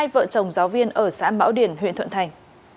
hai vợ chồng giáo viên ở xã mão điền huyện thuận thành